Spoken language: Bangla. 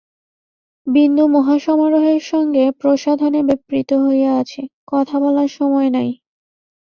বিন্দু মহাসমারোহের সঙ্গে প্রসাধনে ব্যাপৃত হইয়া আছে, কথা বলার সময় নাই!